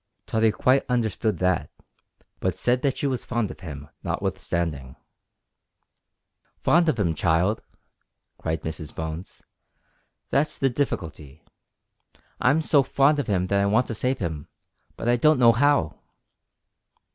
Tottie quite understood that, but said that she was fond of him notwithstanding. "Fond of 'im, child!" cried Mrs Bones, "that's the difficulty. I'm so fond of 'im that I want to save him, but I don't know how."